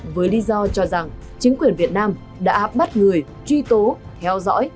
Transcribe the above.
với lý do cho rằng chính quyền việt nam đã bắt người truy tố theo dõi